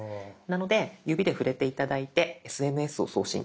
なので指で触れて頂いてＳＭＳを送信